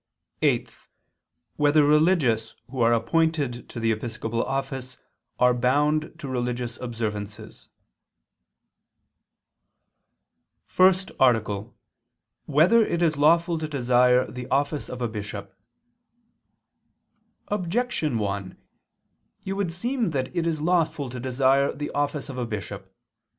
(8) Whether religious who are appointed to the episcopal office are bound to religious observances? _______________________ FIRST ARTICLE [II II, Q. 185, Art. 1] Whether It Is Lawful to Desire the Office of a Bishop? Objection 1: It would seem that it is lawful to desire the office of a bishop.